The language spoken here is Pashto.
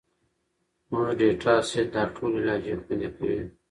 زموږ ډیټا سیټ دا ټولې لهجې خوندي کوي.